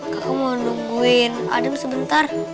kakak mau nungguin adam sebentar